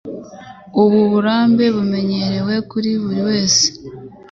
Ubu burambe bumenyerewe kuri buri wese.